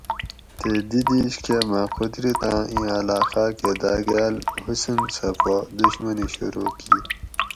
تی دی دیش کہ مہ قدرتاۤں اِیں علاقاۤ کہ داۤگال حسن سہ پا دُشمنی شروع کِیت